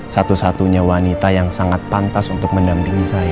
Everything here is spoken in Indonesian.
satu satunya wanita yang sangat pantas untuk mendampingi saya